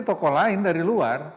tokoh lain dari luar